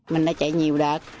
mình đã chạy nhiều đợt